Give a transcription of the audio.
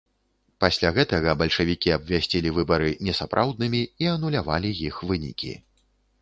Пасля гэтага бальшавікі абвясцілі выбары несапраўднымі і анулявалі іх вынікі.